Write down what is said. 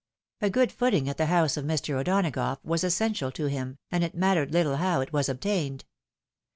A good footing at the house of Mr. O'Donagough was essential to him, and it mattered little how it was obtained.